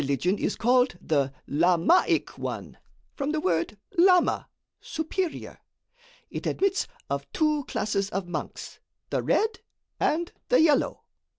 Our religion is called the Lamaic one from the word 'lama,' superior. It admits of two classes of monks, the red and the yellow.